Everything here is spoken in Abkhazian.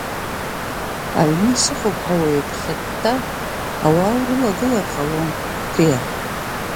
Аҩны сыҟоуп ҳәа уеиԥхьытта ауаа урылагылар ҟалом, Қәҭиа.